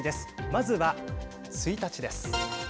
まずは、１日です。